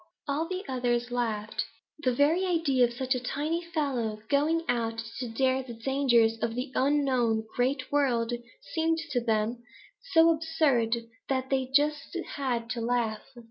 "All the others laughed. The very idea of such a tiny fellow going out to dare the dangers of the unknown Great World seemed to them so absurd that they just had to laugh.